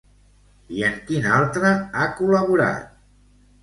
I en quin altre ha col·laborat?